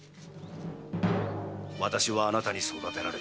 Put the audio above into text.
私はあなたに育てられた。